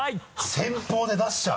先鋒で出しちゃう？